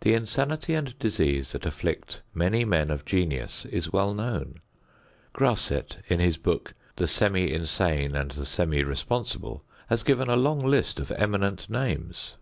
The insanity and disease that afflict many men of genius is well known. Grasset in his book The Semi Insane and the Semi Responsible has given a long list of eminent names.